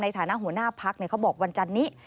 ในฐานะหัวหน้าพักเขาบอกวันจันนี้